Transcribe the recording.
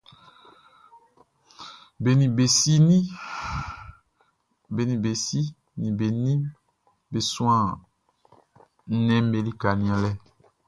Be nin be si nin be nin be suan nnɛnʼm be lika nianlɛ.